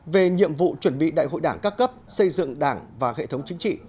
về nhiệm vụ chuẩn bị đại hội đảng các cấp xây dựng đảng và hệ thống chính trị